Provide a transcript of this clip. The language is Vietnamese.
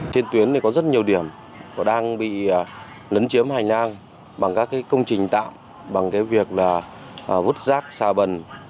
thiên tuyến có rất nhiều điểm đang bị lấn chiếm hành lang bằng các công trình tạm bằng việc vút rác xà bần